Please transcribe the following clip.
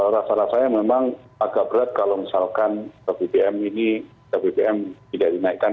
rasa rasanya memang agak berat kalau misalkan bbm ini harga bbm tidak dinaikkan